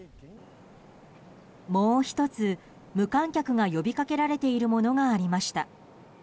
もう１つ、無観客が呼びかけられているものがありました。